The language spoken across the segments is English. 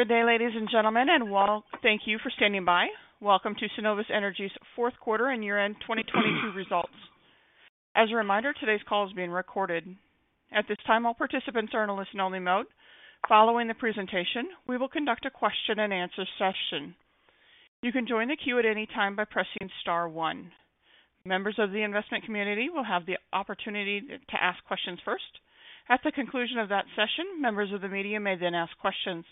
Good day, ladies and gentlemen, and well, thank you for standing by. Welcome to Cenovus Energy's fourth quarter and year-end 2022 results. As a reminder, today's call is being recorded. At this time, all participants are in a listen only mode. Following the presentation, we will conduct a question and answer session. You can join the queue at any time by pressing star one. Members of the investment community will have the opportunity to ask questions first. At the conclusion of that session, members of the media may then ask questions.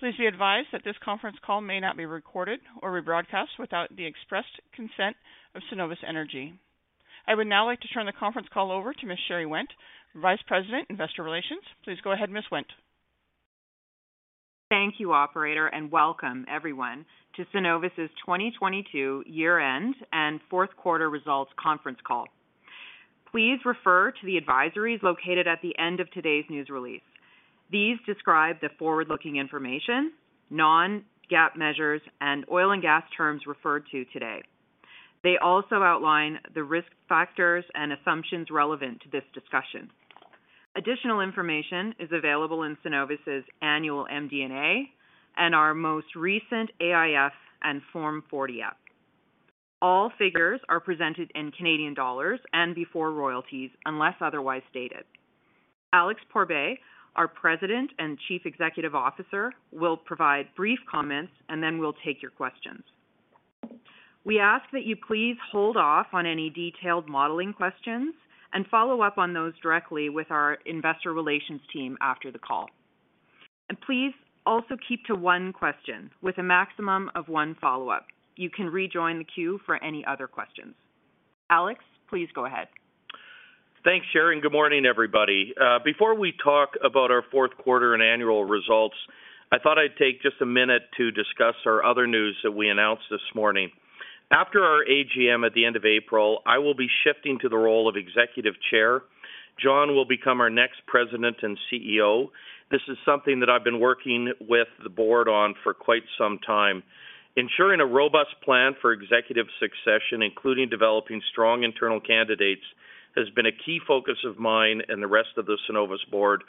Please be advised that this conference call may not be recorded or rebroadcast without the expressed consent of Cenovus Energy. I would now like to turn the conference call over to Ms. Sherry Wendt, Vice President, Investor Relations. Please go ahead, Ms. Wendt. Thank you, Operator, and welcome everyone to Cenovus's 2022 year-end and fourth quarter results conference call. Please refer to the Advisory located at the end of today's news release. These describe the forward-looking information, non-GAAP measures, and oil and gas terms referred to today. They also outline the risk factors and assumptions relevant to this discussion. Additional information is available in Cenovus's Annual MD&A and our most recent AIF and Form 40-F. All figures are presented in Canadian dollars and before royalties unless otherwise stated. Alex Pourbaix, our President and Chief Executive Officer, will provide brief comments and then we'll take your questions. We ask that you please hold off on any detailed modeling questions and follow up on those directly with our investor relations team after the call. Please also keep to one question with a maximum of one follow-up. You can rejoin the queue for any other questions. Alex, please go ahead. Thanks, Sherry. Good morning, everybody. Before we talk about our fourth quarter and annual results, I thought I'd take just a minute to discuss our other news that we announced this morning. After our AGM at the end of April, I will be shifting to the role of Executive Chair. Jon will become our next President and CEO. This is something that I've been working with the board on for quite some time. Ensuring a robust plan for executive succession, including developing strong internal candidates, has been a key focus of mine and the rest of the Cenovus board,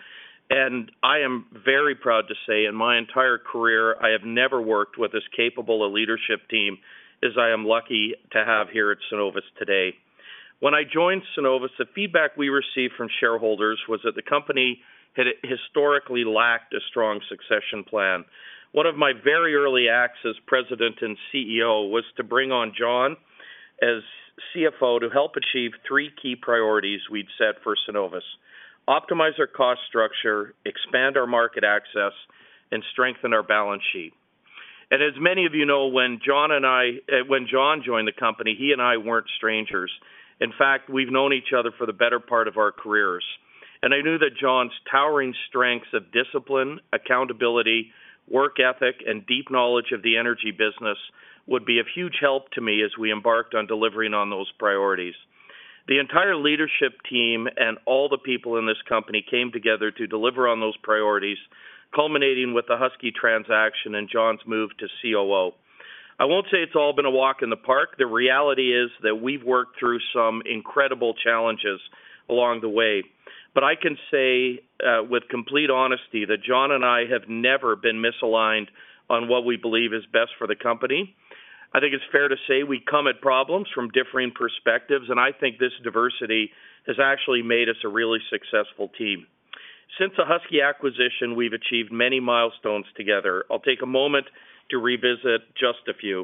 and I am very proud to say in my entire career, I have never worked with as capable a leadership team as I am lucky to have here at Cenovus today. When I joined Cenovus, the feedback we received from shareholders was that the company had historically lacked a strong succession plan. One of my very early acts as President and CEO was to bring on Jon as CFO to help achieve three key priorities we'd set for Cenovus: optimize our cost structure, expand our market access, and strengthen our balance sheet. As many of you know, when Jon joined the company, he and I weren't strangers. In fact, we've known each other for the better part of our careers. I knew that Jon's towering strengths of discipline, accountability, work ethic, and deep knowledge of the energy business would be of huge help to me as we embarked on delivering on those priorities. The entire leadership team and all the people in this company came together to deliver on those priorities, culminating with the Husky transaction and Jon's move to COO. I won't say it's all been a walk in the park. The reality is that we've worked through some incredible challenges along the way. I can say with complete honesty that Jon and I have never been misaligned on what we believe is best for the company. I think it's fair to say we come at problems from differing perspectives, and I think this diversity has actually made us a really successful team. Since the Husky acquisition, we've achieved many milestones together. I'll take a moment to revisit just a few.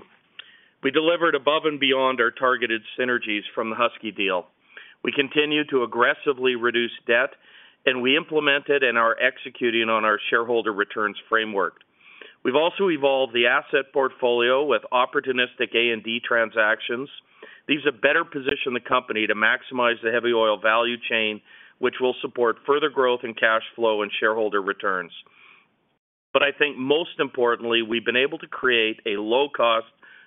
We delivered above and beyond our targeted synergies from the Husky deal. We continue to aggressively reduce debt, and we implemented and are executing on our shareholder returns framework. We've also evolved the asset portfolio with opportunistic A&D transactions. These have better positioned the company to maximize the heavy oil value chain, which will support further growth in cash flow and shareholder returns. I think most importantly, we've been able to create a low cost,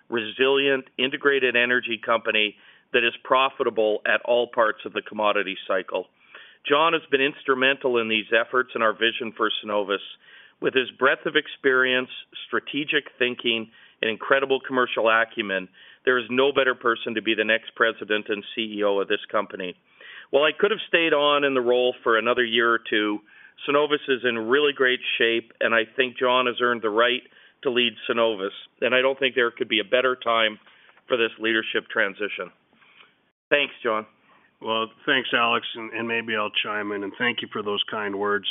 resilient, integrated energy company that is profitable at all parts of the commodity cycle. Jon has been instrumental in these efforts and our vision for Cenovus. With his breadth of experience, strategic thinking, and incredible commercial acumen, there is no better person to be the next President and CEO of this company. While I could have stayed on in the role for another year or two, Cenovus is in really great shape, I think Jon has earned the right to lead Cenovus, I don't think there could be a better time for this leadership transition. Thanks, Jon. Well, thanks, Alex, and maybe I'll chime in, thank you for those kind words.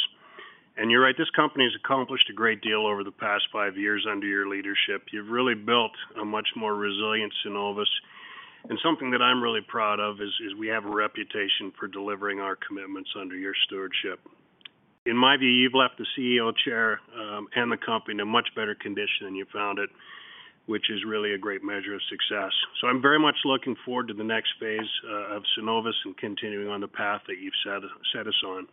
You're right, this company has accomplished a great deal over the past five years under your leadership. You've really built a much more resilience in all of us. Something that I'm really proud of is we have a reputation for delivering our commitments under your stewardship. In my view, you've left the CEO chair and the company in a much better condition than you found it, which is really a great measure of success. I'm very much looking forward to the next phase of Cenovus and continuing on the path that you've set us on.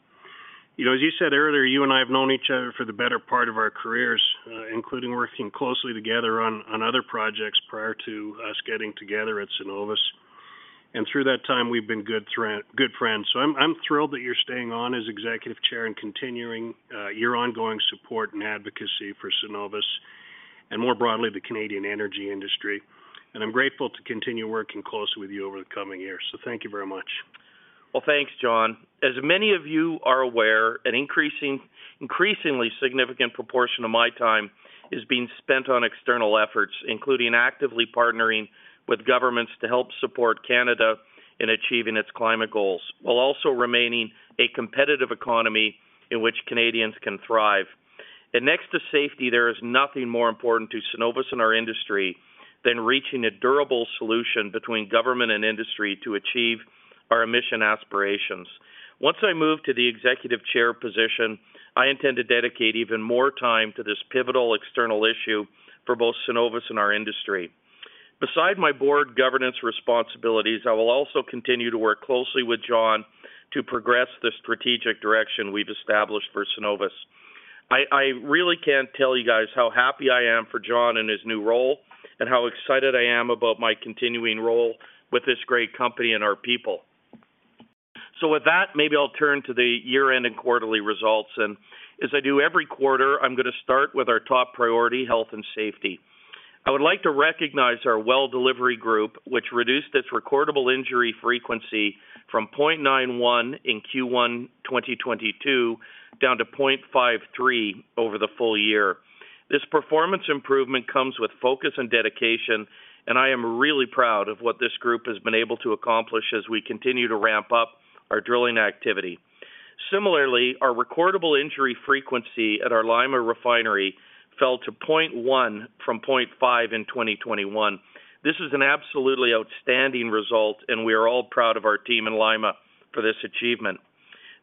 You know, as you said earlier, you and I have known each other for the better part of our careers, including working closely together on other projects prior to us getting together at Cenovus. Through that time, we've been good friends. I'm thrilled that you're staying on as Executive Chair and continuing your ongoing support and advocacy for Cenovus. More broadly, the Canadian energy industry. I'm grateful to continue working closely with you over the coming years. Thank you very much. Well, thanks, Jon. As many of you are aware, an increasingly significant proportion of my time is being spent on external efforts, including actively partnering with governments to help support Canada in achieving its climate goals, while also remaining a competitive economy in which Canadians can thrive. Next to safety, there is nothing more important to Cenovus and our industry than reaching a durable solution between government and industry to achieve our emission aspirations. Once I move to the Executive Chair position, I intend to dedicate even more time to this pivotal external issue for both Cenovus and our industry. Beside my board governance responsibilities, I will also continue to work closely with Jon to progress the strategic direction we've established for Cenovus. I really can't tell you guys how happy I am for Jon in his new role and how excited I am about my continuing role with this great company and our people. With that, maybe I'll turn to the year-end and quarterly results. As I do every quarter, I'm going to start with our top priority, health and safety. I would like to recognize our well delivery group, which reduced its recordable injury frequency from 0.91 in Q1 2022 down to 0.53 over the full year. This performance improvement comes with focus and dedication, and I am really proud of what this group has been able to accomplish as we continue to ramp up our drilling activity. Similarly, our recordable injury frequency at our Lima Refinery fell to 0.1 from 0.5 in 2021. This is an absolutely outstanding result, and we are all proud of our team in Lima for this achievement.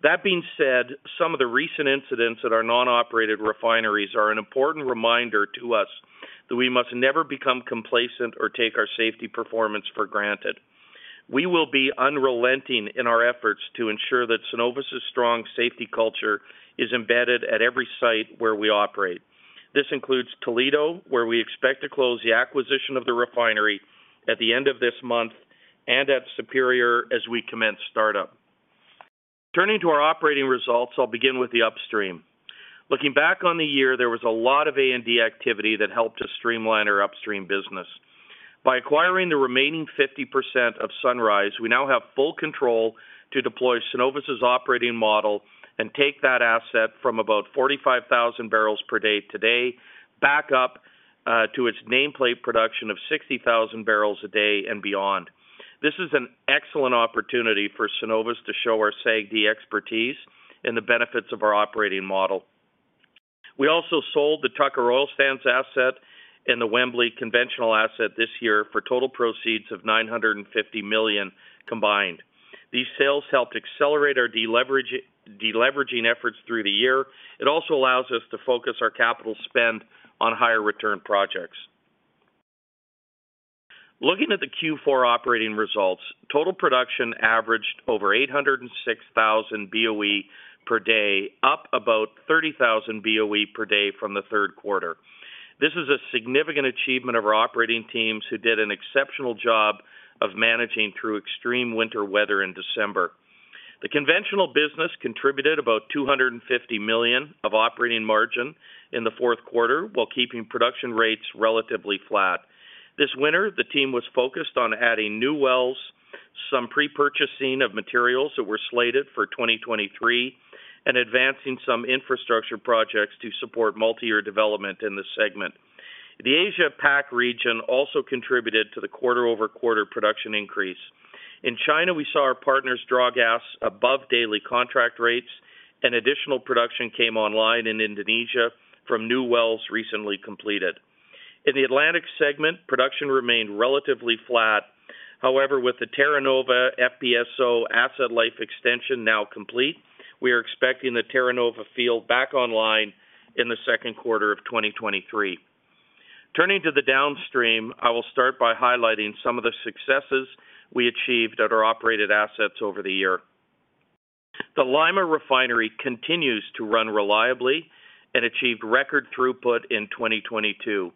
That being said, some of the recent incidents at our non-operated refineries are an important reminder to us that we must never become complacent or take our safety performance for granted. We will be unrelenting in our efforts to ensure that Cenovus's strong safety culture is embedded at every site where we operate. This includes Toledo, where we expect to close the acquisition of the refinery at the end of this month, and at Superior as we commence startup. Turning to our operating results, I'll begin with the Upstream. Looking back on the year, there was a lot of A&D activity that helped us streamline our Upstream business. By acquiring the remaining 50% of Sunrise, we now have full control to deploy Cenovus's operating model and take that asset from about 45,000 barrels per day today back up to its nameplate production of 60,000 barrels per day and beyond. This is an excellent opportunity for Cenovus to show our SAGD expertise and the benefits of our operating model. We also sold the Tucker Oil Sands asset and the Wembley conventional asset this year for total proceeds of 950 million combined. These sales helped accelerate our deleveraging efforts through the year. It also allows us to focus our capital spend on higher return projects. Looking at the Q4 operating results, total production averaged over 806,000 BOE per day, up about 30,000 BOE per day from the third quarter. This is a significant achievement of our operating teams who did an exceptional job of managing through extreme winter weather in December. The conventional business contributed about 250 million of operating margin in the fourth quarter while keeping production rates relatively flat. This winter, the team was focused on adding new wells, some pre-purchasing of materials that were slated for 2023, and advancing some infrastructure projects to support multi-year development in the segment. The Asia-Pacific region also contributed to the quarter-over-quarter production increase. In China, we saw our partners draw gas above daily contract rates and additional production came online in Indonesia from new wells recently completed. In the Atlantic segment, production remained relatively flat. With the Terra Nova FPSO asset life extension now complete, we are expecting the Terra Nova field back online in the second quarter of 2023. Turning to the Downstream, I will start by highlighting some of the successes we achieved at our operated assets over the year. The Lima Refinery continues to run reliably and achieved record throughput in 2022.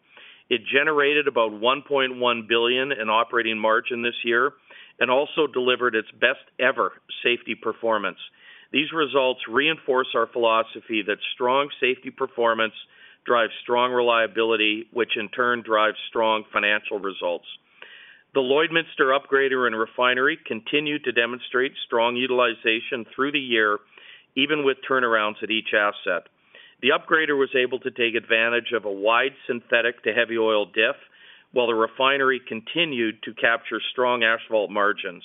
It generated about 1.1 billion in operating margin this year and also delivered its best ever safety performance. These results reinforce our philosophy that strong safety performance drives strong reliability, which in turn drives strong financial results. The Lloydminster Upgrader and Refinery continued to demonstrate strong utilization through the year, even with turnarounds at each asset. The upgrader was able to take advantage of a wide synthetic to heavy oil diff, while the refinery continued to capture strong asphalt margins.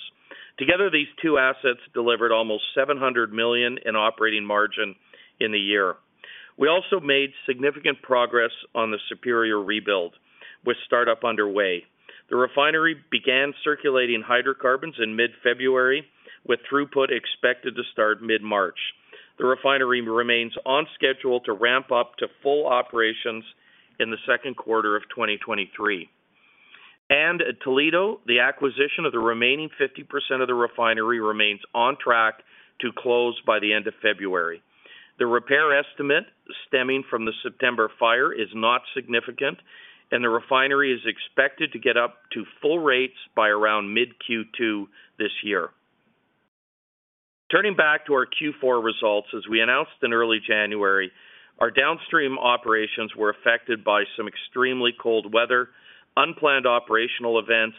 Together, these two assets delivered almost 700 million in operating margin in the year. We also made significant progress on the Superior rebuild with startup underway. The refinery began circulating hydrocarbons in mid-February, with throughput expected to start mid-March. The refinery remains on schedule to ramp up to full operations in the second quarter of 2023. At Toledo, the acquisition of the remaining 50% of the refinery remains on track to close by the end of February. The repair estimate stemming from the September fire is not significant, and the refinery is expected to get up to full rates by around mid-Q2 this year. Turning back to our Q4 results, as we announced in early January, our Downstream operations were affected by some extremely cold weather, unplanned operational events,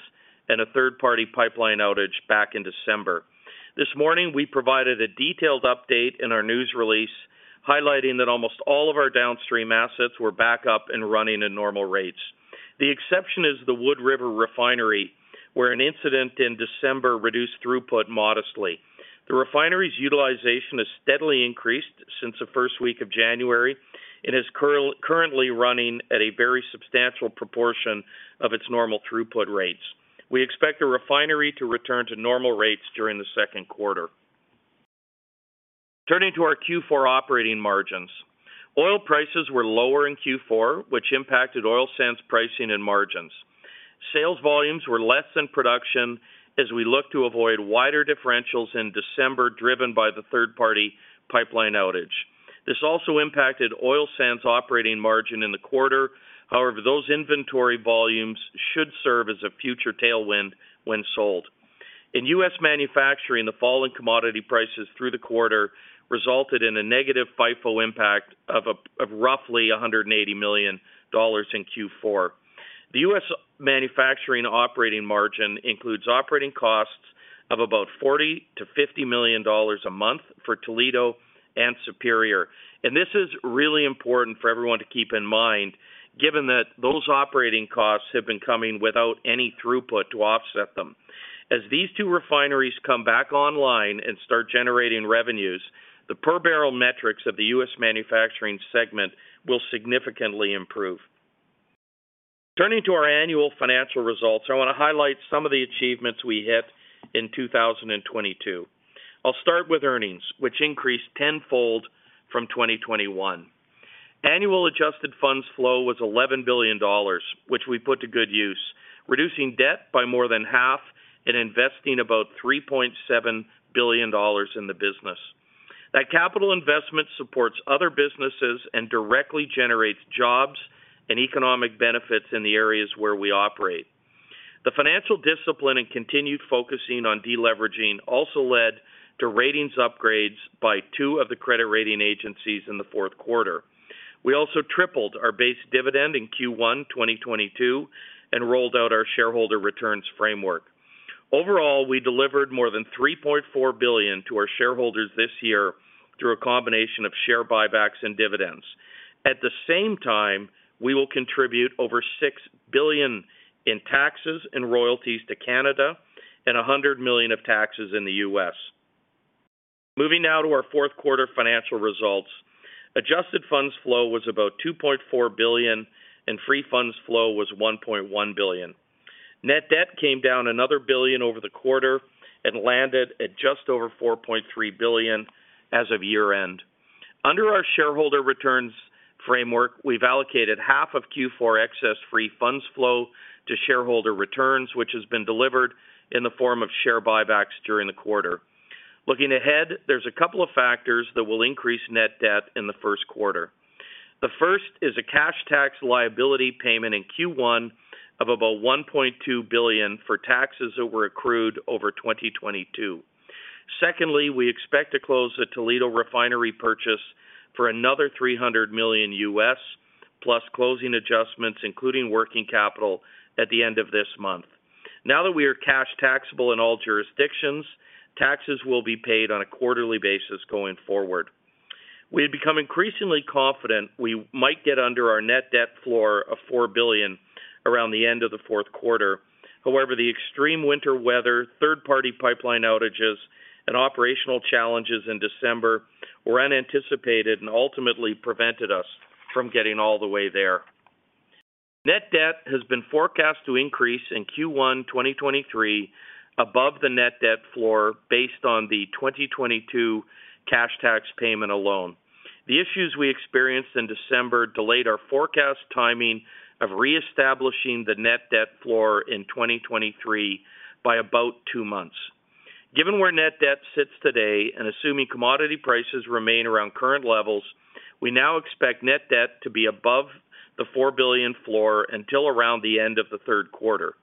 and a third-party pipeline outage back in December. This morning, we provided a detailed update in our news release, highlighting that almost all of our Downstream assets were back up and running at normal rates. The exception is the Wood River Refinery, where an incident in December reduced throughput modestly. The refinery's utilization has steadily increased since the first week of January and is currently running at a very substantial proportion of its normal throughput rates. We expect the refinery to return to normal rates during the second quarter. Turning to our Q4 operating margins. Oil prices were lower in Q4, which impacted Oil Sands pricing and margins. Sales volumes were less than production as we look to avoid wider differentials in December, driven by the third-party pipeline outage. This also impacted Oil Sands operating margin in the quarter. However, those inventory volumes should serve as a future tailwind when sold. In U.S. Manufacturing, the fall in commodity prices through the quarter resulted in a negative FIFO impact of roughly $180 million in Q4. The U.S. Manufacturing operating margin includes operating costs of about 40 million-50 million dollars a month for Toledo and Superior. This is really important for everyone to keep in mind, given that those operating costs have been coming without any throughput to offset them. As these two refineries come back online and start generating revenues, the per barrel metrics of the U.S. Manufacturing segment will significantly improve. Turning to our annual financial results, I wanna highlight some of the achievements we hit in 2022. I'll start with earnings, which increased tenfold from 2021. Annual adjusted funds flow was 11 billion dollars, which we put to good use, reducing debt by more than half and investing about 3.7 billion dollars in the business. That capital investment supports other businesses and directly generates jobs and economic benefits in the areas where we operate. The financial discipline and continued focusing on deleveraging also led to ratings upgrades by 2 of the credit rating agencies in the fourth quarter. We also tripled our base dividend in Q1 2022 and rolled out our shareholder returns framework. Overall, we delivered more than 3.4 billion to our shareholders this year through a combination of share buybacks and dividends. At the same time, we will contribute over 6 billion in taxes and royalties to Canada and $100 million of taxes in the U.S. Moving now to our fourth quarter financial results. Adjusted funds flow was about 2.4 billion, and free funds flow was 1.1 billion. Net debt came down another 1 billion over the quarter and landed at just over 4.3 billion as of year-end. Under our shareholder returns framework, we've allocated half of Q4 excess free funds flow to shareholder returns, which has been delivered in the form of share buybacks during the quarter. Looking ahead, there's a couple of factors that will increase net debt in the first quarter. The first is a cash tax liability payment in Q1 of about 1.2 billion for taxes that were accrued over 2022. We expect to close the Toledo Refinery purchase for another $300 million U.S., plus closing adjustments, including working capital at the end of this month. Now that we are cash taxable in all jurisdictions, taxes will be paid on a quarterly basis going forward. We have become increasingly confident we might get under our net debt floor of 4 billion around the end of the fourth quarter. However, the extreme winter weather, third-party pipeline outages, and operational challenges in December were unanticipated and ultimately prevented us from getting all the way there. Net debt has been forecast to increase in Q1 2023 above the net debt floor based on the 2022 cash tax payment alone. The issues we experienced in December delayed our forecast timing of reestablishing the net debt floor in 2023 by about two months. Given where net debt sits today and assuming commodity prices remain around current levels, we now expect net debt to be above the 4 billion floor until around the end of the third quarter.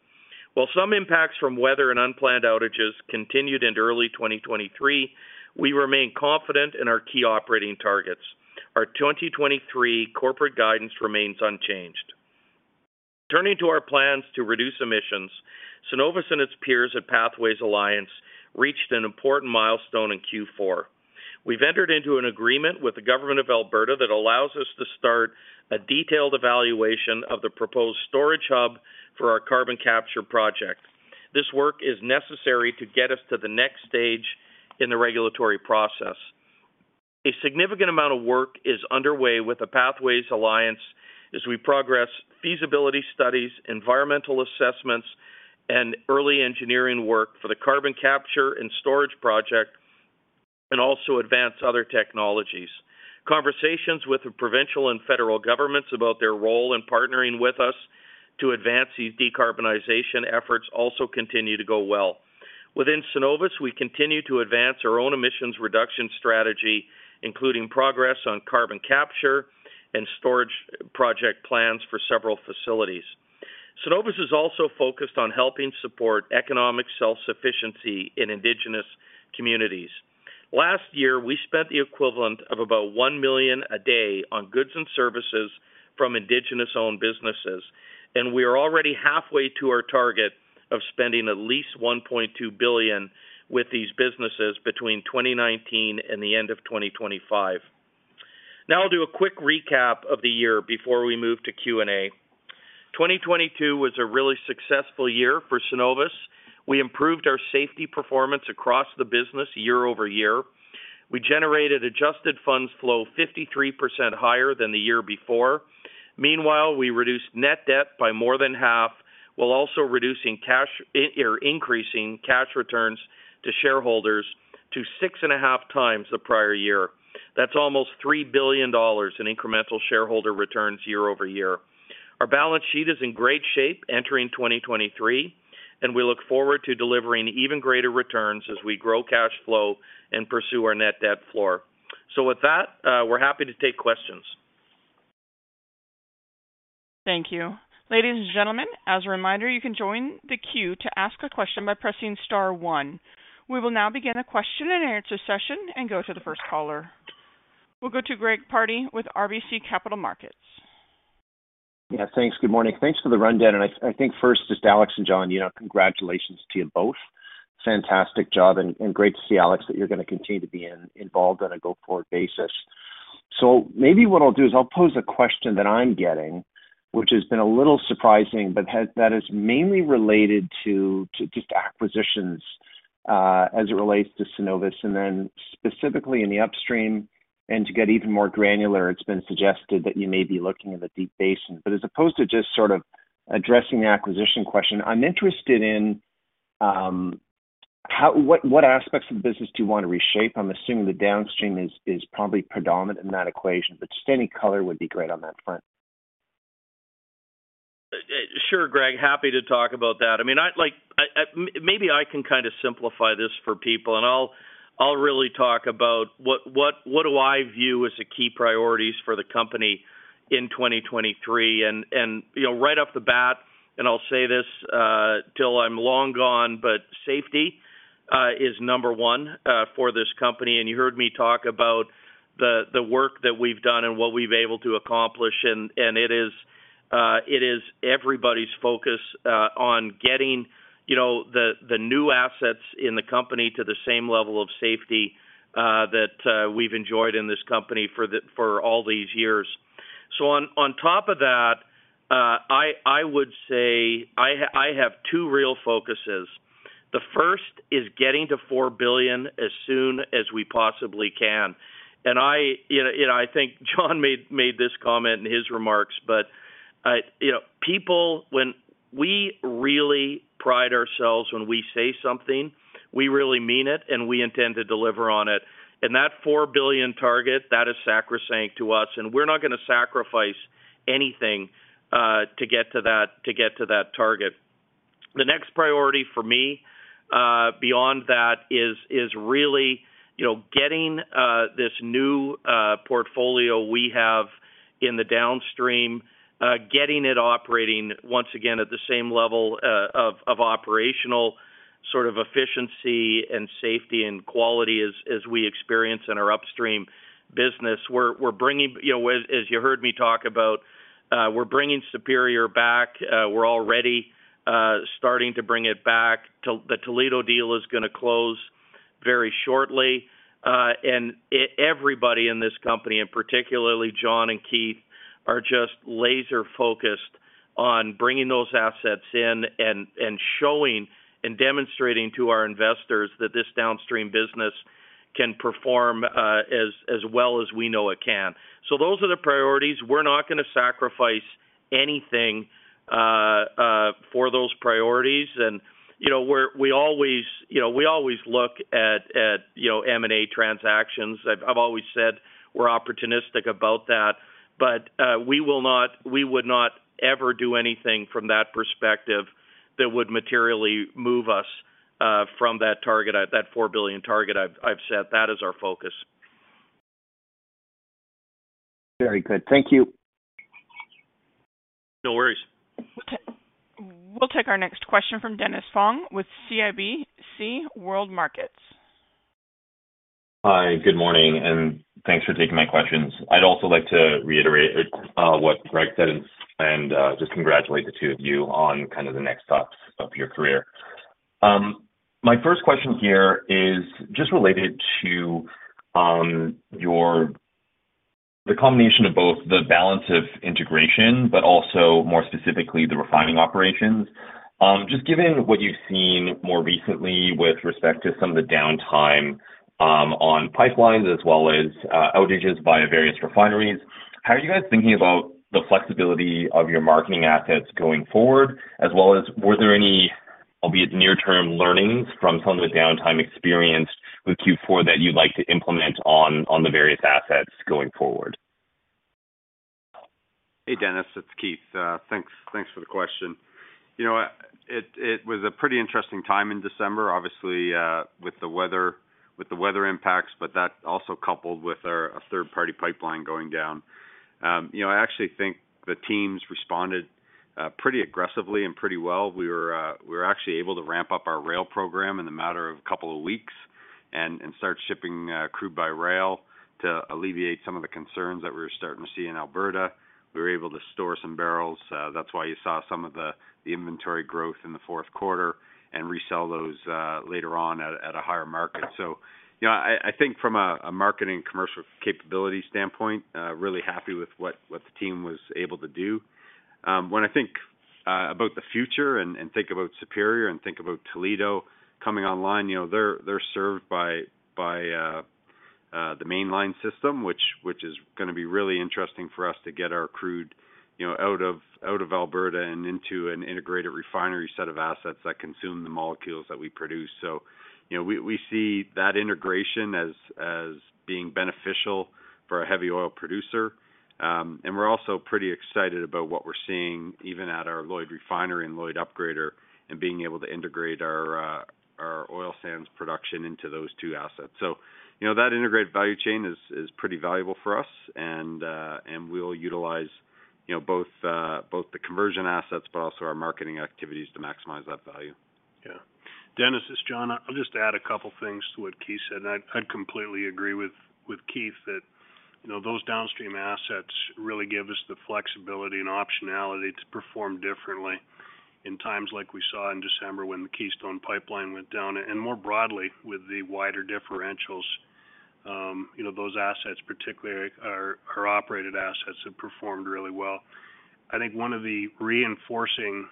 While some impacts from weather and unplanned outages continued into early 2023, we remain confident in our key operating targets. Our 2023 corporate guidance remains unchanged. Turning to our plans to reduce emissions, Cenovus and its peers at Pathways Alliance reached an important milestone in Q4. We've entered into an agreement with the Government of Alberta that allows us to start a detailed evaluation of the proposed storage hub for our carbon capture project. This work is necessary to get us to the next stage in the regulatory process. A significant amount of work is underway with the Pathways Alliance as we progress feasibility studies, environmental assessments, and early engineering work for the carbon capture and storage project, also advance other technologies. Conversations with the provincial and federal governments about their role in partnering with us to advance these decarbonization efforts also continue to go well. Within Cenovus, we continue to advance our own emissions reduction strategy, including progress on carbon capture and storage project plans for several facilities. Cenovus is also focused on helping support economic self-sufficiency in indigenous communities. Last year, we spent the equivalent of about 1 million a day on goods and services from indigenous-owned businesses, we are already halfway to our target of spending at least 1.2 billion with these businesses between 2019 and the end of 2025. I'll do a quick recap of the year before we move to Q&A. 2022 was a really successful year for Cenovus. We improved our safety performance across the business year-over-year. We generated adjusted funds flow 53% higher than the year before. Meanwhile, we reduced net debt by more than half, while also reducing cash or increasing cash returns to shareholders to 6.5x the prior year. That's almost 3 billion dollars in incremental shareholder returns year-over-year. Our balance sheet is in great shape entering 2023, and we look forward to delivering even greater returns as we grow cash flow and pursue our net debt floor. With that, we're happy to take questions. Thank you. Ladies and gentlemen, as a reminder, you can join the queue to ask a question by pressing star one. We will now begin a question and answer session and go to the first caller. We'll go to Greg Pardy with RBC Capital Markets. Yeah, thanks. Good morning. Thanks for the rundown. I think first, just Alex and Jon, you know, congratulations to you both. Fantastic job, and great to see Alex, that you're gonna continue to be involved on a go-forward basis. Maybe what I'll do is I'll pose a question that I'm getting, which has been a little surprising, but that is mainly related to just acquisitions, as it relates to Cenovus and then specifically in the Upstream. To get even more granular, it's been suggested that you may be looking at the Deep Basin. As opposed to just sort of addressing the acquisition question, I'm interested in what aspects of the business do you want to reshape? I'm assuming the Downstream is probably predominant in that equation, but just any color would be great on that front. Sure, Greg, happy to talk about that. I mean, maybe I can kind of simplify this for people and I'll really talk about what do I view as the key priorities for the company in 2023 and, you know, right off the bat, and I'll say this till I'm long gone, but safety is number one for this company. You heard me talk about the work that we've done and what we've able to accomplish. It is everybody's focus on getting, you know, the new assets in the company to the same level of safety that we've enjoyed in this company for all these years. On top of that, I would say I have two real focuses. The first is getting to 4 billion as soon as we possibly can. I, you know, I think Jon made this comment in his remarks, but, you know, people. When we really pride ourselves when we say something, we really mean it, and we intend to deliver on it. That 4 billion target, that is sacrosanct to us, and we're not gonna sacrifice anything to get to that target. The next priority for me beyond that is really, you know, getting this new portfolio we have in the Downstream, getting it operating once again at the same level of operational sort of efficiency and safety and quality as we experience in our Upstream business. We're bringing, you know, as you heard me talk about, we're bringing Superior back. We're already starting to bring it back. The Toledo deal is gonna close very shortly. Everybody in this company, and particularly Jon and Keith, are just laser focused on bringing those assets in and showing and demonstrating to our investors that this Downstream business can perform as well as we know it can. Those are the priorities. We're not gonna sacrifice anything for those priorities. You know, we always, you know, we always look at, you know, M&A transactions. I've always said we're opportunistic about that. We would not ever do anything from that perspective that would materially move us from that target, that 4 billion target I've set. That is our focus. Very good. Thank you. No worries. We'll take our next question from Dennis Fong with CIBC World Markets. Hi, good morning, and thanks for taking my questions. I'd also like to reiterate what Greg said and just congratulate the two of you on kind of the next stops of your career. My first question here is just related to the combination of both the balance of integration, but also more specifically the refining operations. Just given what you've seen more recently with respect to some of the downtime on pipelines as well as outages via various refineries, how are you guys thinking about the flexibility of your marketing assets going forward? As well as were there any, albeit near-term learnings from some of the downtime experienced with Q4 that you'd like to implement on the various assets going forward? Hey, Dennis, it's Keith. Thanks for the question. You know, it was a pretty interesting time in December, obviously, with the weather. With the weather impacts, that also coupled with a third-party pipeline going down. You know, I actually think the teams responded pretty aggressively and pretty well. We were actually able to ramp up our rail program in a matter of a couple of weeks and start shipping crude by rail to alleviate some of the concerns that we were starting to see in Alberta. We were able to store some barrels, that's why you saw some of the inventory growth in the fourth quarter and resell those later on at a higher market. You know, I think from a marketing commercial capability standpoint, really happy with what the team was able to do. When I think about the future and think about Superior and think about Toledo coming online, you know, they're served by the Mainline system, which is gonna be really interesting for us to get our crude, you know, out of Alberta and into an integrated refinery set of assets that consume the molecules that we produce. You know, we see that integration as being beneficial for a heavy oil producer. We're also pretty excited about what we're seeing even at our Lloyd Refinery and Lloyd Upgrader in being able to integrate our Oil Sands production into those two assets. You know, that integrated value chain is pretty valuable for us. We'll utilize, you know, both the conversion assets but also our marketing activities to maximize that value. Yeah. Dennis, it's Jon. I'll just add a couple things to what Keith said. I completely agree with Keith that, you know, those Downstream assets really give us the flexibility and optionality to perform differently in times like we saw in December when the Keystone Pipeline went down. More broadly, with the wider differentials, you know, those assets particularly are operated assets have performed really well. I think one of the reinforcing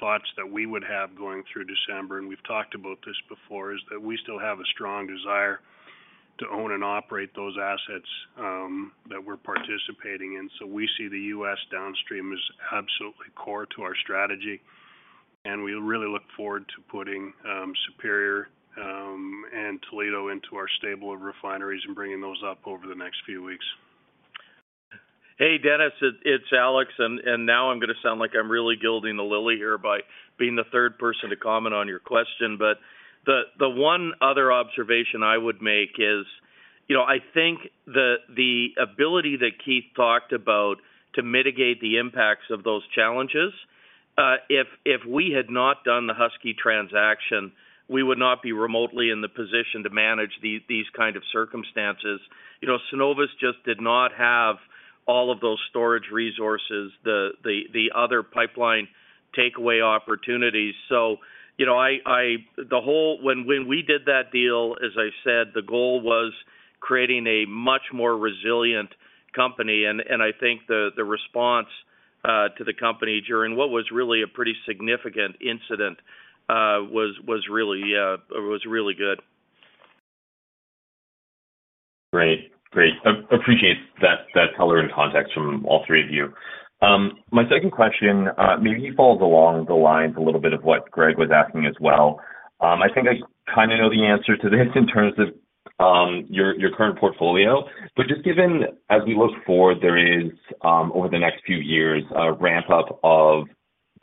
thoughts that we would have going through December, and we've talked about this before, is that we still have a strong desire to own and operate those assets that we're participating in. We see the U.S. Downstream as absolutely core to our strategy, and we really look forward to putting Superior and Toledo into our stable of refineries and bringing those up over the next few weeks. Hey, Dennis, it's Alex. Now I'm gonna sound like I'm really gilding the lily here by being the 3rd person to comment on your question. The one other observation I would make is, you know, I think the ability that Keith talked about to mitigate the impacts of those challenges, if we had not done the Husky transaction, we would not be remotely in the position to manage these kind of circumstances. You know, Cenovus just did not have all of those storage resources, the other pipeline takeaway opportunities. You know, when we did that deal, as I said, the goal was creating a much more resilient company. I think the response to the company during what was really a pretty significant incident was really good. Great. Great. Appreciate that color and context from all three of you. My second question, maybe follows along the lines a little bit of what Greg was asking as well. I think I kind of know the answer to this in terms of, your current portfolio. Just given as we look forward, there is, over the next few years, a ramp-up of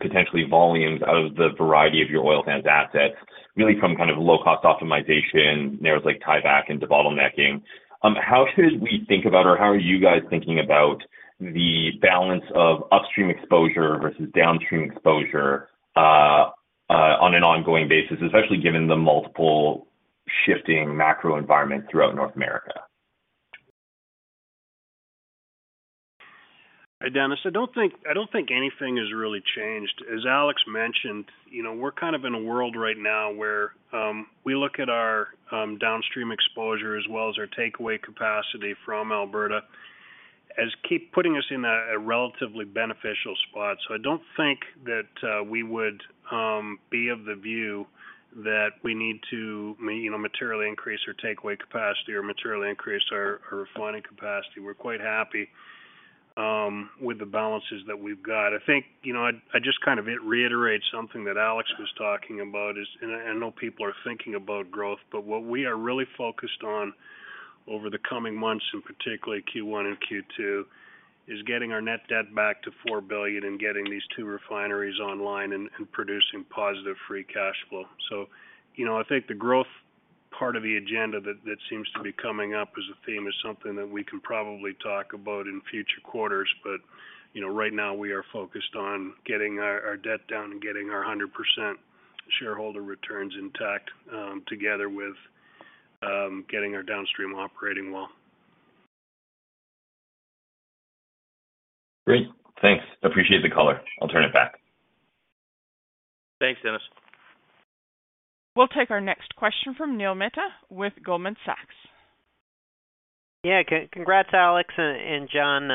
potentially volumes out of the variety of your Oil Sands assets, really from kind of low cost optimization, narrows like tieback into bottlenecking. How should we think about, or how are you guys thinking about the balance of Upstream exposure versus Downstream exposure, on an ongoing basis, especially given the multiple shifting macro environment throughout North America? Dennis, I don't think anything has really changed. As Alex mentioned, you know, we're kind of in a world right now where we look at our Downstream exposure as well as our takeaway capacity from Alberta, as keep putting us in a relatively beneficial spot. I don't think that we would be of the view that we need to, you know, materially increase our takeaway capacity or materially increase our refining capacity. We're quite happy with the balances that we've got. I think, you know, I just kind of reiterate something that Alex was talking about is I know people are thinking about growth. What we are really focused on over the coming months, and particularly Q1 and Q2, is getting our net debt back to 4 billion and getting these two refineries online and producing positive free cash flow. You know, I think the growth part of the agenda that seems to be coming up as a theme is something that we can probably talk about in future quarters. You know, right now we are focused on getting our debt down and getting our 100% shareholder returns intact, together with getting our Downstream operating well. Great. Thanks. Appreciate the color. I'll turn it back. Thanks, Dennis. We'll take our next question from Neil Mehta with Goldman Sachs. Yeah. Congrats, Alex and Jon.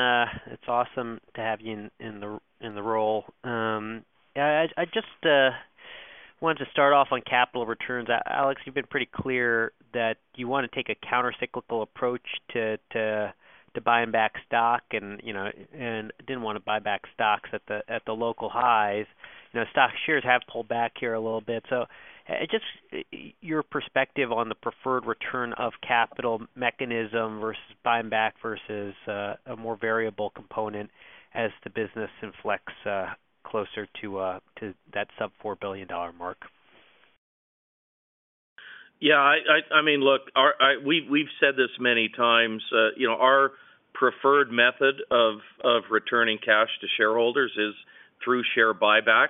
It's awesome to have you in the role. I just wanted to start off on capital returns. Alex, you've been pretty clear that you wanna take a countercyclical approach to buying back stock and, you know, didn't wanna buy back stocks at the local highs. You know, stock shares have pulled back here a little bit. Just your perspective on the preferred return of capital mechanism versus buying back versus a more variable component as the business inflects closer to that sub 4 billion dollar mark? Yeah, I mean, look, we've said this many times, you know, our preferred method of returning cash to shareholders is through share buybacks.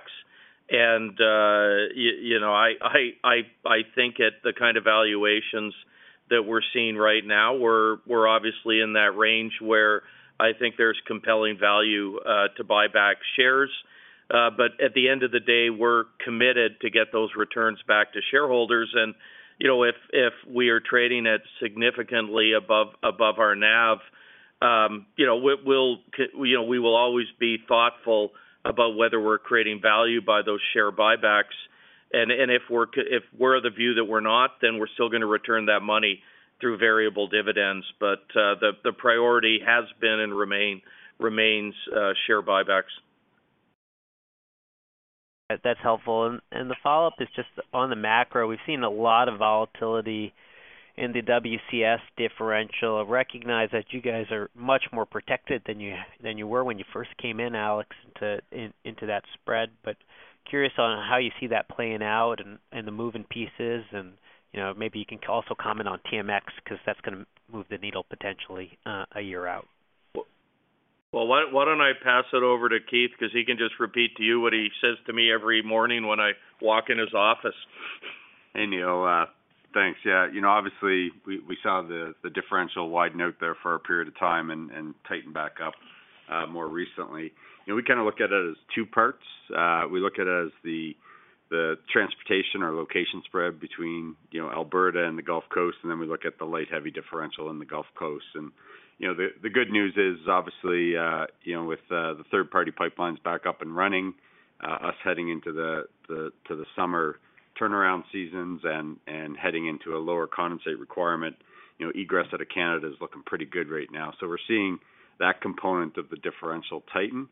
You know, I think at the kind of valuations that we're seeing right now, we're obviously in that range where I think there's compelling value to buy back shares. At the end of the day, we're committed to get those returns back to shareholders and, you know, if we are trading at significantly above our NAV, you know, we'll, you know, we will always be thoughtful about whether we're creating value by those share buybacks. If we're of the view that we're not, then we're still gonna return that money through variable dividends. The priority has been and remains, share buybacks. That's helpful. The follow-up is just on the macro. We've seen a lot of volatility in the WCS differential. I recognize that you guys are much more protected than you were when you first came in, Alex, into that spread. Curious on how you see that playing out and the moving pieces and, you know, maybe you can also comment on TMX because that's gonna move the needle potentially a year out. Why don't I pass it over to Keith because he can just repeat to you what he says to me every morning when I walk in his office. Hey, Neil, thanks. Yeah, you know, obviously we saw the differential widen out there for a period of time and tighten back up more recently. You know, we kinda look at it as two parts. We look at it as the transportation or location spread between, you know, Alberta and the Gulf Coast, and then we look at the light heavy differential in the Gulf Coast. You know, the good news is obviously, you know, with the third-party pipeline back up and running, us heading into to the summer turnaround seasons and heading into a lower condensate requirement, you know, egress out of Canada is looking pretty good right now. We're seeing that component of the differential tighten.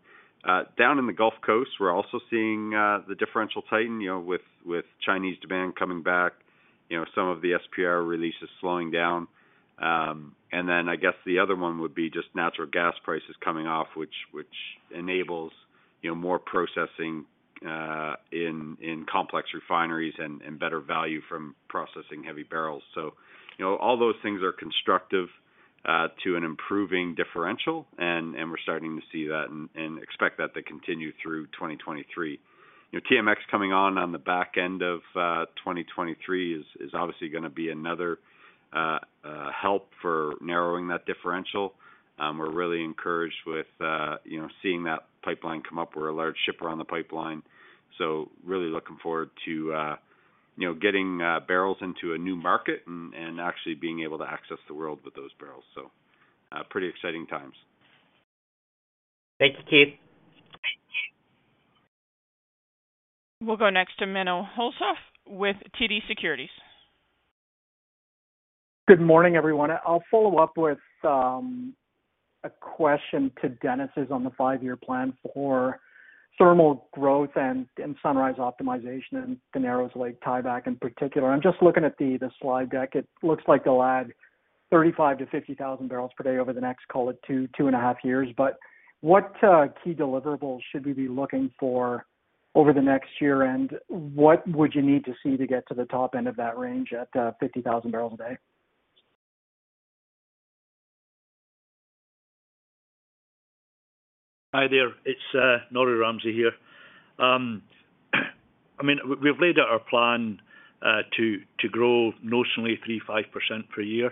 Down in the Gulf Coast, we're also seeing the differential tighten, you know, with Chinese demand coming back. You know, some of the SPR release is slowing down. I guess the other one would be just natural gas prices coming off, which enables, you know, more processing in complex refineries and better value from processing heavy barrels. You know, all those things are constructive to an improving differential and we're starting to see that and expect that to continue through 2023. You know, TMX coming on the back end of 2023 is obviously gonna be another help for narrowing that differential. We're really encouraged with, you know, seeing that pipeline come up. We're a large shipper on the pipeline. Really looking forward to, you know, getting barrels into a new market and actually being able to access the world with those barrels. Pretty exciting times. Thanks, Keith. We'll go next to Menno Hulshof with TD Securities. Good morning, everyone. I'll follow up with a question to Dennis' on the five-year plan for thermal growth and Sunrise optimization and the Narrows Lake tieback in particular. I'm just looking at the slide deck. It looks like they'll add 35,000-50,000 barrels per day over the next, call it 2.5 years. What key deliverables should we be looking for over the next year? What would you need to see to get to the top end of that range at 50,000 barrels a day? Hi there, it's Norrie Ramsay here. We've laid out our plan to grow notionally 3%-5% per year.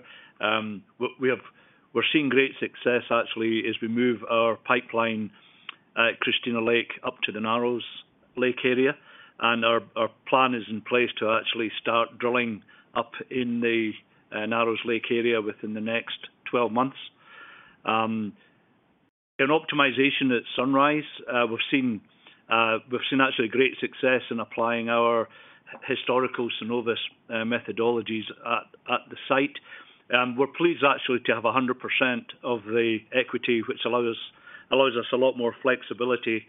We're seeing great success actually as we move our pipeline at Christina Lake up to the Narrows Lake area. Our plan is in place to actually start drilling up in the Narrows Lake area within the next 12 months. An optimization at Sunrise, we've seen actually great success in applying our historical Cenovus methodologies at the site. We're pleased actually to have 100% of the equity which allows us a lot more flexibility.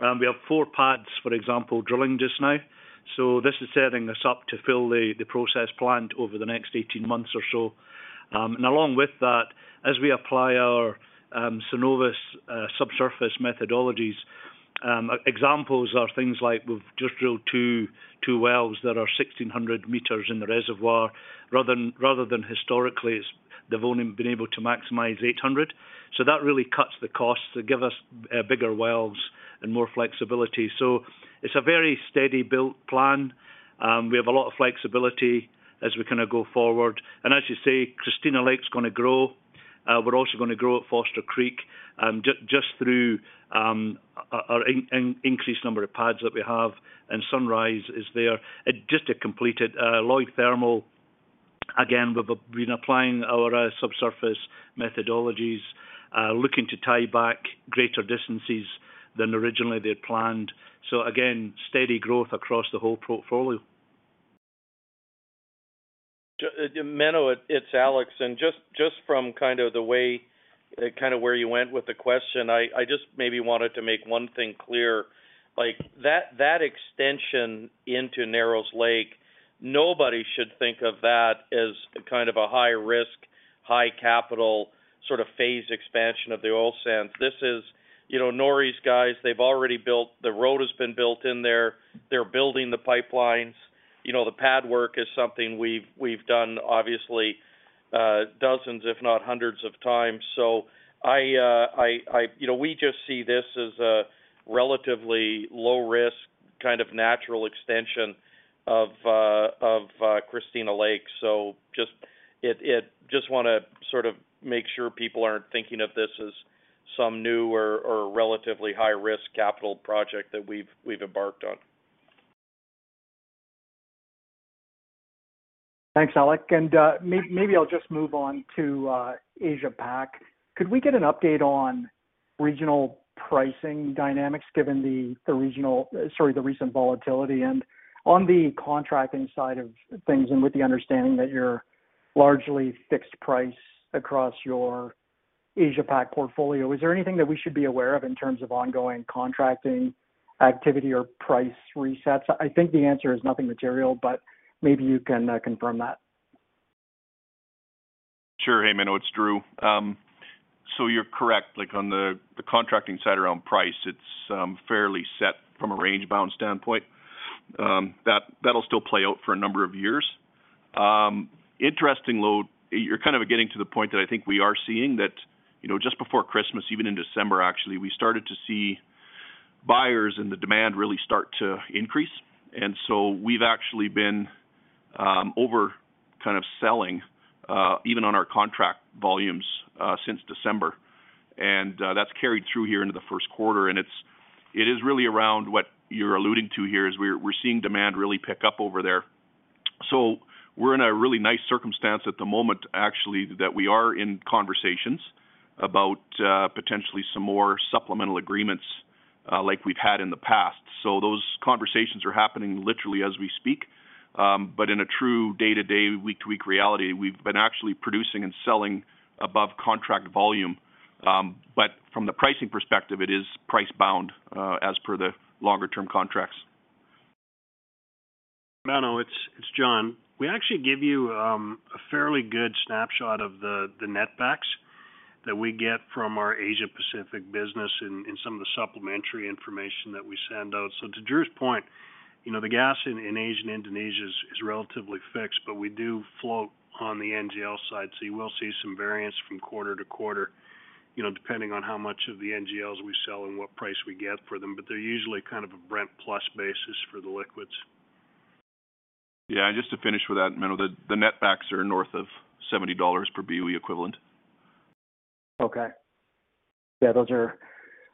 We have four pads, for example, drilling just now. This is setting us up to fill the process plant over the next 18 months or so. Along with that, as we apply our Cenovus subsurface methodologies, examples are things like we've just drilled two wells that are 1,600 meters in the reservoir rather than historically, they've only been able to maximize 800. That really cuts the costs to give us bigger wells and more flexibility. It's a very steady built plan. We have a lot of flexibility as we kinda go forward. As you say, Christina Lake's gonna grow. We're also gonna grow at Foster Creek just through increased number of pads that we have, and Sunrise is there. Just to complete it, Lloyd Thermal, again, we've been applying our subsurface methodologies, looking to tie back greater distances than originally they had planned. Again, steady growth across the whole portfolio. Menno, it's Alex. Just from kind of the way, kinda where you went with the question, I just maybe wanted to make one thing clear. Like, that extension into Narrows Lake, nobody should think of that as kind of a high risk. High capital sort of phase expansion of the Oil Sands. This is, you know, Norrie's guys, they've already built the road has been built in there. They're building the pipelines. You know, the pad work is something we've done obviously, dozens, if not hundreds of times. I, you know, we just see this as a relatively low risk kind of natural extension of Christina Lake. just wanna sort of make sure people aren't thinking of this as some new or relatively high risk capital project that we've embarked on. Thanks, Alex. Maybe I'll just move on to Asia-Pacific. Could we get an update on regional pricing dynamics given the recent volatility? On the contracting side of things, and with the understanding that you're largely fixed price across your Asia-Pacific portfolio, is there anything that we should be aware of in terms of ongoing contracting activity or price resets? I think the answer is nothing material, but maybe you can confirm that. Sure. Hey, Menno, it's Drew. You're correct. Like, on the contracting side around price, it's fairly set from a range bound standpoint. That'll still play out for a number of years. Interesting load. You're kind of getting to the point that I think we are seeing that, you know, just before Christmas, even in December, actually, we started to see buyers and the demand really start to increase. We've actually been over kind of selling even on our contract volumes since December. That's carried through here into the first quarter, and it is really around what you're alluding to here is we're seeing demand really pick up over there. We're in a really nice circumstance at the moment, actually, that we are in conversations about potentially some more supplemental agreements, like we've had in the past. Those conversations are happening literally as we speak. In a true day-to-day, week-to-week reality, we've been actually producing and selling above contract volume. From the pricing perspective, it is price bound as per the longer term contracts. Menno, it's Jon. We actually give you a fairly good snapshot of the net backs that we get from our Asia-Pacific business in some of the supplementary information that we send out. To Drew's point, you know, the gas in Asia and Indonesia is relatively fixed, but we do float on the NGL side, so you will see some variance from quarter to quarter, you know, depending on how much of the NGLs we sell and what price we get for them. They're usually kind of a Brent plus basis for the liquids. Yeah. Just to finish with that, Menno, the net backs are north of 70 dollars per BOE equivalent. Yeah, those are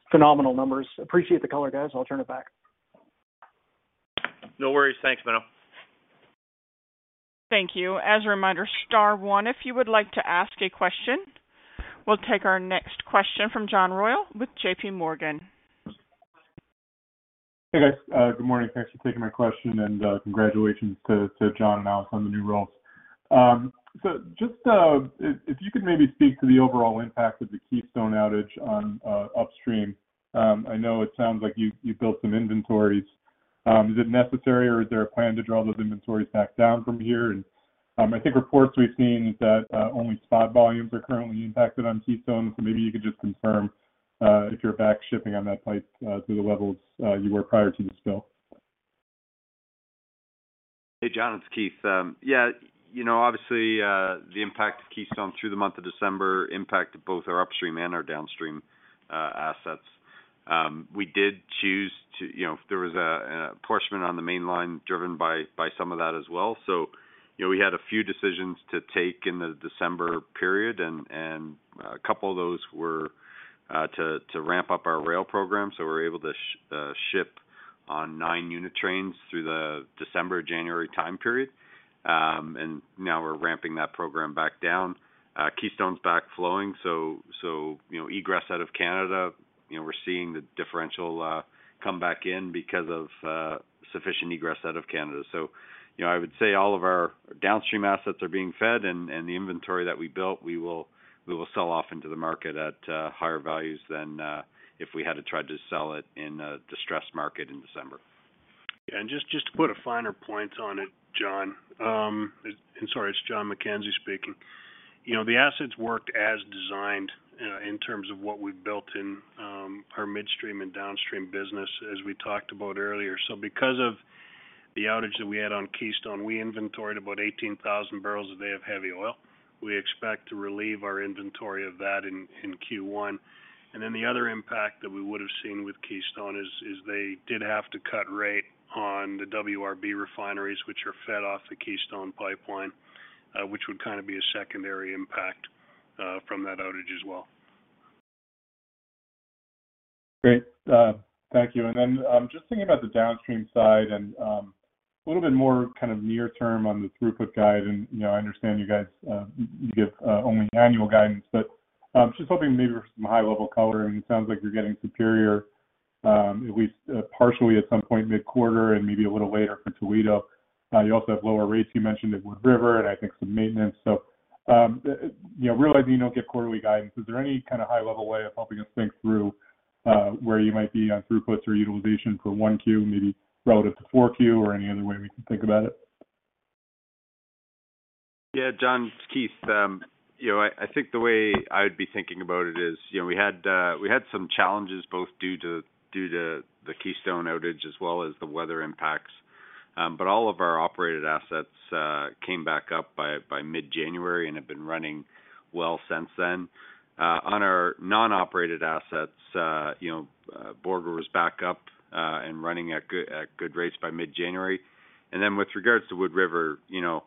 phenomenal numbers. Appreciate the color, guys. I'll turn it back. No worries. Thanks, Menno. Thank you. As a reminder, star one if you would like to ask a question. We'll take our next question from John Royall with JPMorgan. Hey, guys. good morning. Thanks for taking my question, and congratulations to Jon and Alex on the new roles. just if you could maybe speak to the overall impact of the Keystone outage on Upstream. I know it sounds like you built some inventories. Is it necessary, or is there a plan to draw those inventories back down from here? I think reports we've seen that only spot volumes are currently impacted on Keystone. maybe you could just confirm if you're back shipping on that pipe to the levels you were prior to the spill. Hey, John, it's Keith. Yeah, you know, obviously, the impact of Keystone through the month of December impacted both our Upstream and our Downstream assets. We did choose to there was a apportionment on the Mainline driven by some of that as well. You know, we had a few decisions to take in the December period, and a couple of those were to ramp up our rail program. We're able to ship on nine unit trains through the December, January time period. Now we're ramping that program back down. Keystone's back flowing, so, you know, egress out of Canada, you know, we're seeing the differential come back in because of sufficient egress out of Canada. You know, I would say all of our Downstream assets are being fed, and the inventory that we built, we will sell off into the market at higher values than if we had to try to sell it in a distressed market in December. Just to put a finer point on it, John. Sorry, it's Jonathan McKenzie speaking. You know, the assets worked as designed, in terms of what we've built in our midstream and Downstream business as we talked about earlier. Because of the outage that we had on Keystone, we inventoried about 18,000 barrels a day of heavy oil. We expect to relieve our inventory of that in Q1. The other impact that we would have seen with Keystone is they did have to cut rate on the WRB refineries, which are fed off the Keystone Pipeline, which would kind of be a secondary impact from that outage as well. Great. Thank you. Just thinking about the Downstream side and a little bit more kind of near term on the throughput guide. You know, I understand you guys, you give only annual guidance, but just hoping maybe for some high-level color. I mean, it sounds like you're getting Superior, at least partially at some point mid-quarter and maybe a little later for Toledo. You also have lower rates you mentioned at Wood River and I think some maintenance. You know, realizing you don't give quarterly guidance, is there any kind of high-level way of helping us think through where you might be on throughputs or utilization for 1Q, maybe relative to 4Q or any other way we can think about it? Yeah, John, it's Keith. You know, I think the way I'd be thinking about it is, you know, we had some challenges both due to the Keystone outage as well as the weather impacts. All of our operated assets came back up by mid-January and have been running well since then. On our non-operated assets, you know, Borger was back up and running at good rates by mid-January. With regards to Wood River, you know,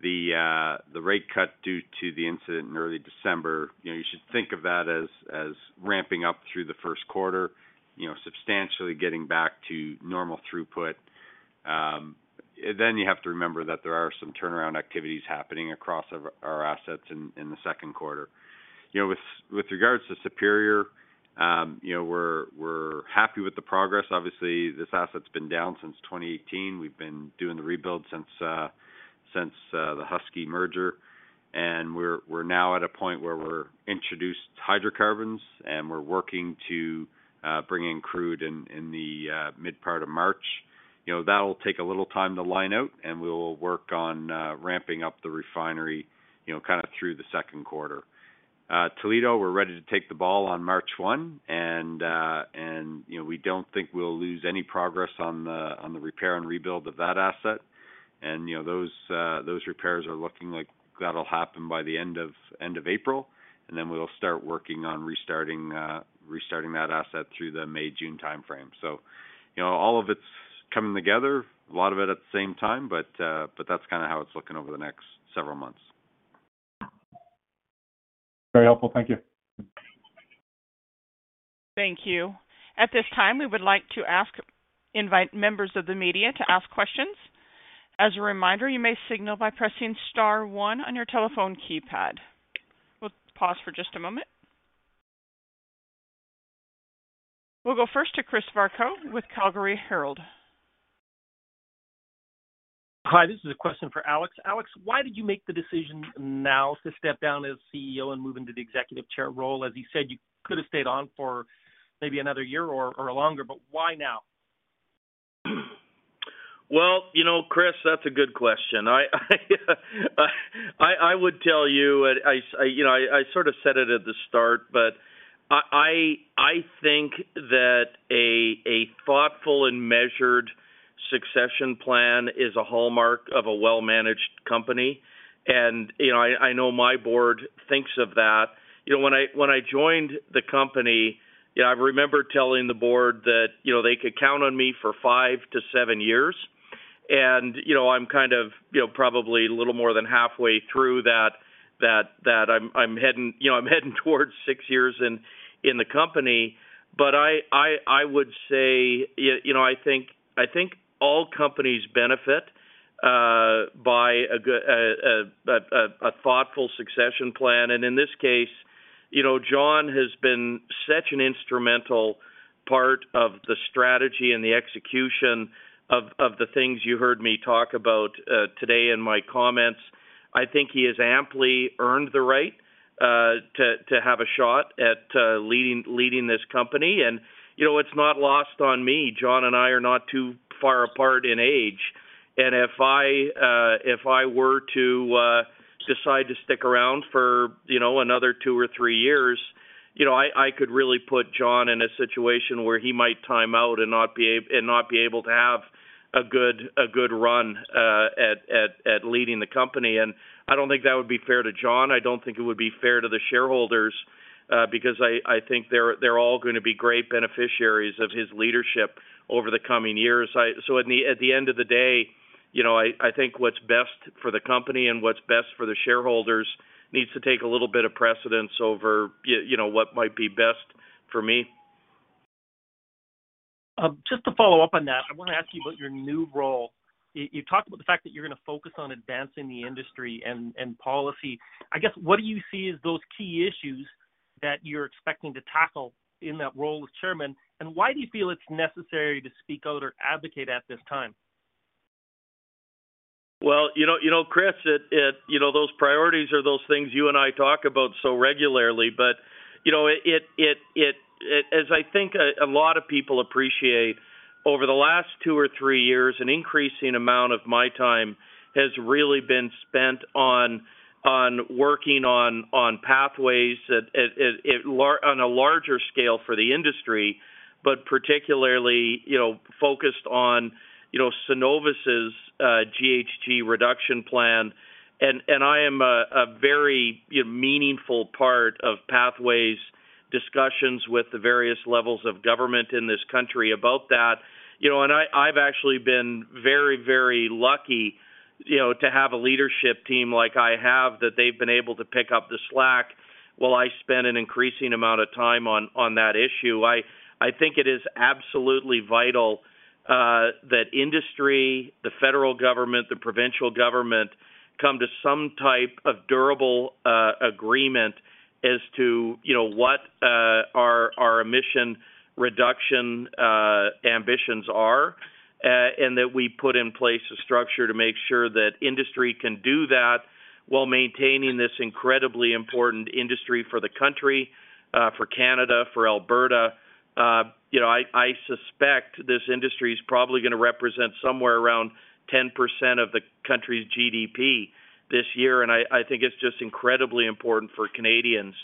the rate cut due to the incident in early December, you know, you should think of that as ramping up through the first quarter, you know, substantially getting back to normal throughput. You have to remember that there are some turnaround activities happening across our assets in the second quarter. You know, with regards to Superior, you know, we're happy with the progress. Obviously, this asset's been down since 2018. We've been doing the rebuild since the Husky merger. We're now at a point where we're introduced hydrocarbons, and we're working to bring in crude in the mid part of March. You know, that'll take a little time to line out, and we'll work on ramping up the refinery, you know, kinda through the second quarter. Toledo, we're ready to take the ball on March 1, and, you know, we don't think we'll lose any progress on the, on the repair and rebuild of that asset. You know, those repairs are looking like that'll happen by the end of April, and then we'll start working on restarting that asset through the May, June timeframe. You know, all of it's coming together, a lot of it at the same time, but that's kinda how it's looking over the next several months. Very helpful. Thank you. Thank you. At this time, we would like to invite members of the media to ask questions. As a reminder, you may signal by pressing star one on your telephone keypad. We'll pause for just a moment. We'll go first to Chris Varcoe with Calgary Herald. Hi, this is a question for Alex. Alex, why did you make the decision now to step down as CEO and move into the Executive Chair role? As you said, you could have stayed on for maybe another year or longer, why now? Well, you know, Chris, that's a good question. I would tell you know, I sort of said it at the start, but I think that a thoughtful and measured succession plan is a hallmark of a well-managed company. You know, I know my board thinks of that. You know, when I joined the company, you know, I remember telling the board that, you know, they could count on me for five to seven years. You know, I'm kind of, you know, probably a little more than halfway through that. I'm heading, you know, I'm heading towards six years in the company. I would say, you know, I think all companies benefit by a good, thoughtful succession plan. In this case, you know, Jon has been such an instrumental part of the strategy and the execution of the things you heard me talk about today in my comments. I think he has amply earned the right to have a shot at leading this company. You know, it's not lost on me. Jon and I are not too far apart in age. If I were to decide to stick around for, you know, another two or three years, you know, I could really put Jon in a situation where he might time out and not be able to have a good run at leading the company. I don't think that would be fair to Jon. I don't think it would be fair to the shareholders, because I think they're all gonna be great beneficiaries of his leadership over the coming years. At the end of the day, you know, I think what's best for the company and what's best for the shareholders needs to take a little bit of precedence over, you know, what might be best for me. Just to follow up on that, I wanna ask you about your new role. You talked about the fact that you're gonna focus on advancing the industry and policy. I guess, what do you see as those key issues that you're expecting to tackle in that role as chairman? Why do you feel it's necessary to speak out or advocate at this time? Well, you know, Chris, you know, those priorities are those things you and I talk about so regularly. you know, as I think a lot of people appreciate, over the last two or three years, an increasing amount of my time has really been spent on working on Pathways on a larger scale for the industry, but particularly, you know, focused on, you know, Cenovus's GHG reduction plan. I am a very, you know, meaningful part of Pathways discussions with the various levels of government in this country about that. You know, I've actually been very, very lucky, you know, to have a leadership team like I have, that they've been able to pick up the slack while I spend an increasing amount of time on that issue. I think it is absolutely vital that industry, the federal government, the provincial government, come to some type of durable agreement as to, you know, what our emission reduction ambitions are. That we put in place a structure to make sure that industry can do that while maintaining this incredibly important industry for the country, for Canada, for Alberta. You know, I suspect this industry is probably gonna represent somewhere around 10% of the country's GDP this year. I think it's just incredibly important for Canadians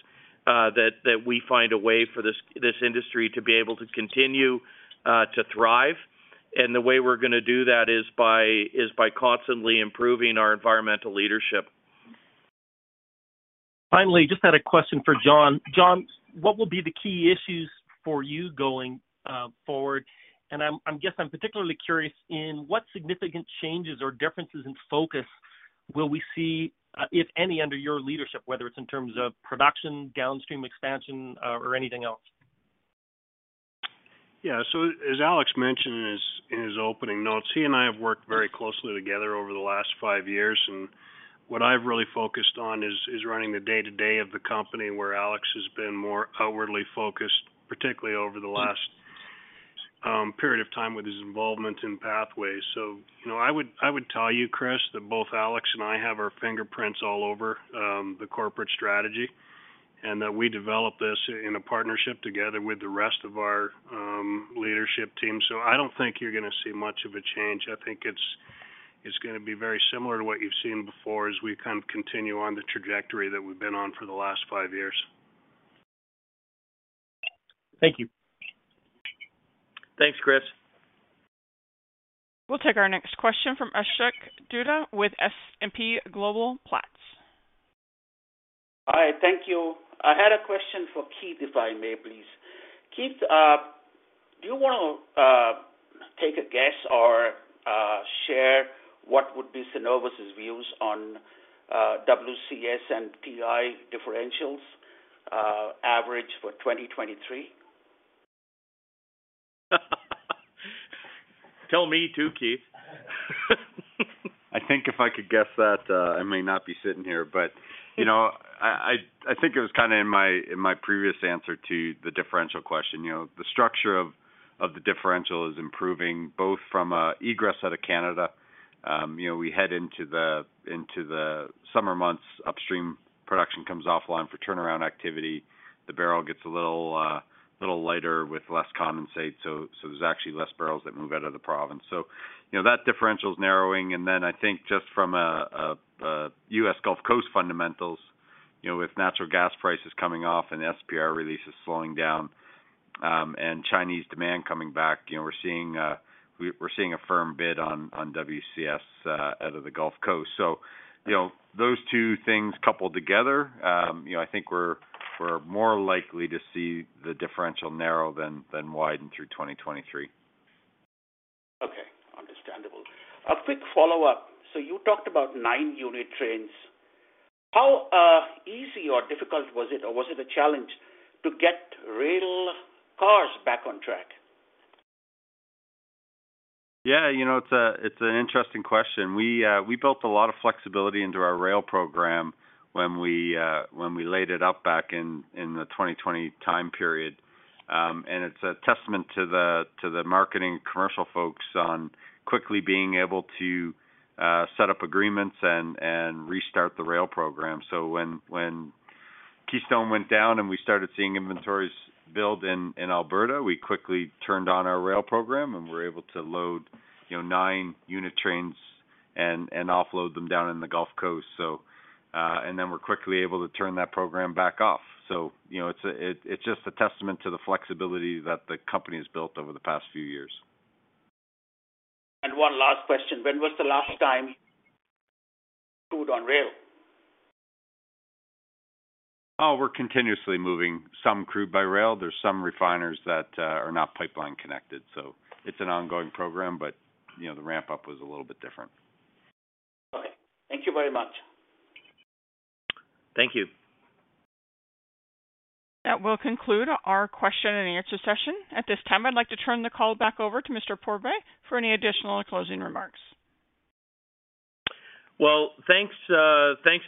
that we find a way for this industry to be able to continue to thrive. The way we're gonna do that is by constantly improving our environmental leadership. Finally, just had a question for Jon. Jon, what will be the key issues for you going forward? I guess I'm particularly curious in what significant changes or differences in focus will we see, if any, under your leadership, whether it's in terms of production, Downstream expansion, or anything else? Yeah. As Alex mentioned in his opening notes, he and I have worked very closely together over the last five years, and what I've really focused on is running the day-to-day of the company where Alex has been more outwardly focused, particularly over the last period of time with his involvement in Pathways. You know, I would tell you, Chris, that both Alex and I have our fingerprints all over the corporate strategy and that we developed this in a partnership together with the rest of our leadership team. I don't think you're gonna see much of a change. I think it's gonna be very similar to what you've seen before as we kind of continue on the trajectory that we've been on for the last five years. Thank you. Thanks, Chris. We'll take our next question from Ashok Dutta with S&P Global Platts. Hi. Thank you. I had a question for Keith, if I may, please. Keith, do you wanna take a guess or share what would be Cenovus' views on WCS and WTI differentials, average for 2023? Tell me too, Keith. I think if I could guess that, I may not be sitting here. You know, I, I think it was kinda in my, in my previous answer to the differential question. You know, the structure of the differential is improving both from egress out of Canada. You know, we head into the summer months, Upstream production comes offline for turnaround activity. The barrel gets a little lighter with less condensate, so there's actually less barrels that move out of the province. You know, that differential is narrowing. I think just from a U.S. Gulf Coast fundamentals, you know, with natural gas prices coming off and SPR releases slowing down, and Chinese demand coming back, you know, we're seeing a firm bid on WCS out of the Gulf Coast. You know, those two things coupled together, you know, I think we're more likely to see the differential narrow than widen through 2023. Okay. Understandable. A quick follow-up. You talked about nine unit trains. How easy or difficult was it, or was it a challenge to get rail cars back on track? Yeah, you know, it's a, it's an interesting question. We built a lot of flexibility into our rail program when we laid it up back in the 2020 time period. It's a testament to the marketing commercial folks on quickly being able to set up agreements and restart the rail program. When Keystone went down and we started seeing inventories build in Alberta, we quickly turned on our rail program and were able to load, you know, nine unit trains and offload them down in the Gulf Coast. Then we're quickly able to turn that program back off. You know, it's a, it's just a testament to the flexibility that the company's built over the past few years. One last question. When was the last time crude on rail? We're continuously moving some crude by rail. There's some refiners that are not pipeline connected. It's an ongoing program, you know, the ramp-up was a little bit different. Okay. Thank you very much. Thank you. That will conclude our question and answer session. At this time, I'd like to turn the call back over to Mr. Pourbaix for any additional closing remarks. Well, thanks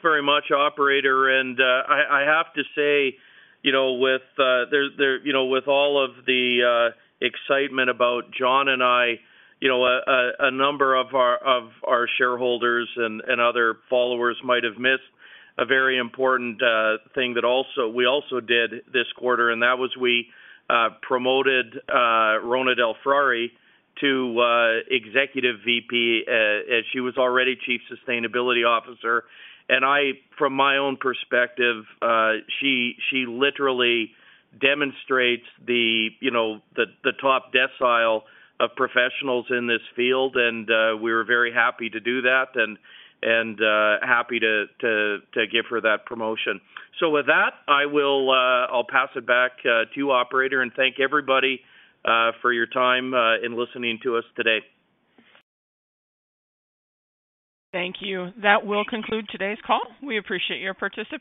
very much, operator. I have to say, you know, with, there, you know, with all of the excitement about Jon and I, you know, a number of our shareholders and other followers might have missed a very important thing that we also did this quarter, and that was we promoted Rhona DelFrari to Executive VP. She was already Chief Sustainability Officer. I, from my own perspective, she literally demonstrates the, you know, the top decile of professionals in this field, and we're very happy to do that and happy to give her that promotion. With that, I will, I'll pass it back to you, operator, and thank everybody for your time in listening to us today. Thank you. That will conclude today's call. We appreciate your participation.